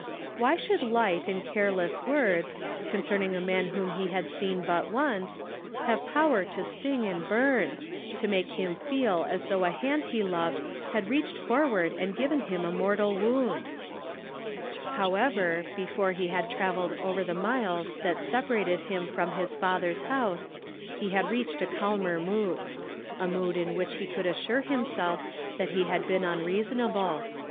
Why should light and careless words, concern ing a man whom he had seen but once, have power to sting and burn ; to make him feel as thougli a hand he loved had reached forward and given him a mortal wound ? 'i "THERE IS NO BEAUTY." 129 However, before he had travelled over the miles that sei)arated him from his father's house, he reached a calmer mood, — a mood in which he could assure himself that he had been unreason able.